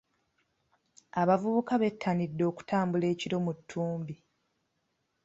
Abavubuka bettanidde okutambula ekiro mu ttumbi.